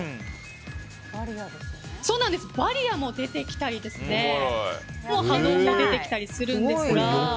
バリアも出てきたり波動も出てきたりするんですが。